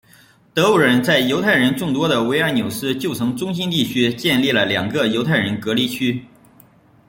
德国人在犹太人众多的维尔纽斯旧城中心地区建立了两个犹太人隔离区。